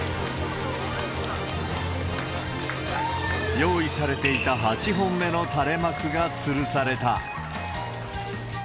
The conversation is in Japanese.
用意されていた８本目の垂れ幕がつるされた。